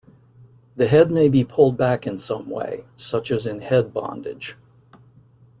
The head may be pulled back in some way, such as in head bondage.